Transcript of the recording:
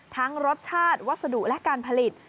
รสชาติวัสดุและการผลิต